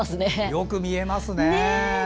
よく見えますね。